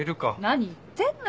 何言ってんのよ。